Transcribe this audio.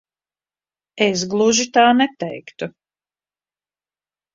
Es gluži tā neteiktu.